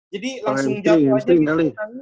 jadi langsung jatuh aja di tangis